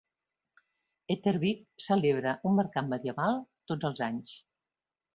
Etterbeek celebra un mercat medieval tots els anys.